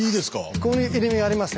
こういう入身ありますね。